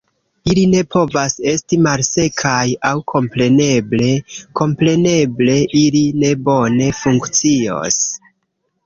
Ili ne povas esti malsekaj, aŭ kompreneble, kompreneble ili ne bone funkcios.